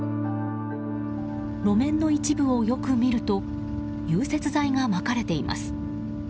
路面の一部をよく見ると融雪剤がまかれています。